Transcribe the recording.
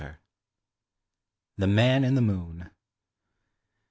THE MAN IN THE MOON.